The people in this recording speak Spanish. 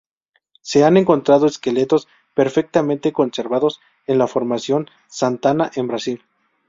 Se han encontrado esqueletos perfectamente conservados en la Formación Santana, en Brasil.